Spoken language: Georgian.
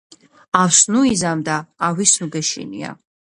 ავს ნუ იზამ, და ავის ნუ გეშინია.